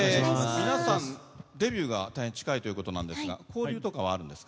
皆さんデビューが近いということですが交流はあるんですか。